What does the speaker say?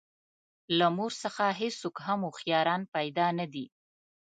له مور څخه هېڅوک هم هوښیاران پیدا نه دي.